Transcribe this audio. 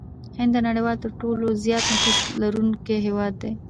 هند د نړۍ ترټولو زيات نفوس لرونکي هېواد دي.